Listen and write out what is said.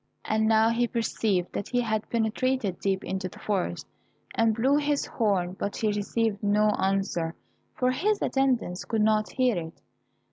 And now he perceived that he had penetrated deep into the forest, and blew his horn but he received no answer, for his attendants could not hear it.